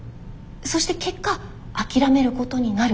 そして結果諦めることになる。